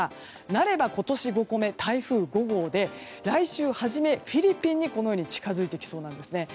なれば今年５個目、台風５号で来週初め、フィリピンに近づいてきそうなんですね。